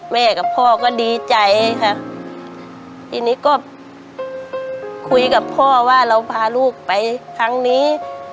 แม่กับพ่อก็ดีใจค่ะทีนี้ก็คุยกับพ่อว่าเราพาลูกไปครั้งนี้